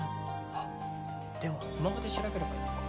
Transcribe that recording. あっでもスマホで調べればいいか。